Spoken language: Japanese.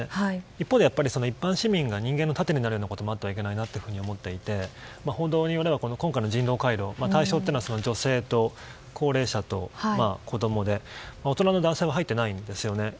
一方で一般市民が人間の盾になるようなことがあってもいけないなと思っていて報道によれば今回の人道回廊は対象は女性と高齢者と子供で大人の男性は入っていないんですよね。